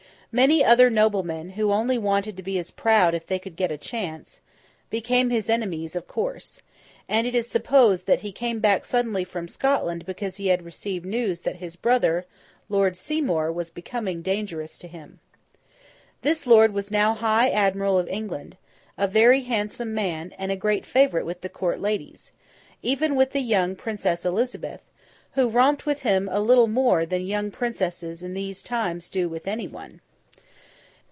Many other noblemen, who only wanted to be as proud if they could get a chance, became his enemies of course; and it is supposed that he came back suddenly from Scotland because he had received news that his brother, Lord Seymour, was becoming dangerous to him. This lord was now High Admiral of England; a very handsome man, and a great favourite with the Court ladies—even with the young Princess Elizabeth, who romped with him a little more than young princesses in these times do with any one.